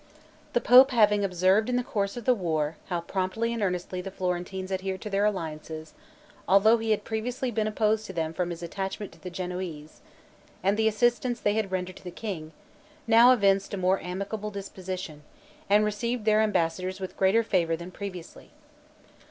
The pope having observed in the course of the war, how promptly and earnestly the Florentines adhered to their alliances, although he had previously been opposed to them from his attachment to the Genoese, and the assistance they had rendered to the king, now evinced a more amicable disposition, and received their ambassadors with greater favor than previously.